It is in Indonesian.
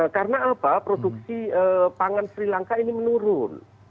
karena apa produksi pangan sri lanka ini menurun